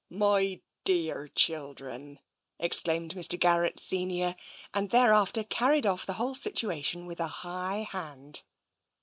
" My dearr children !" exclaimed Mr. Garrett senior, and thereafter carried off the whole situation with a high hand.